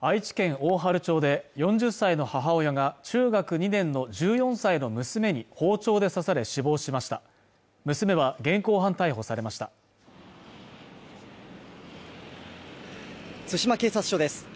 大治町で４０歳の母親が中学２年の１４歳の娘に包丁で刺され死亡しました娘は現行犯逮捕されました津島警察署です